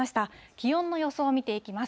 気温の予想を見ていきます。